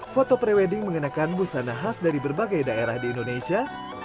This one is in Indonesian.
foto pre wedding mengenakan busana khas dari berbagai daerah di indonesia